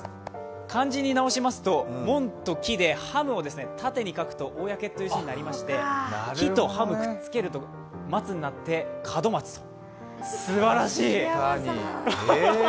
漢字に直しますと、門と木とハムを縦に書くと公という字になりまして木とハムくっつけると松になって、門松、すばらしい！